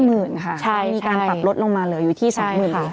มีการปรับลดลงมาเหลืออยู่ที่๒๐๐๐๐บาท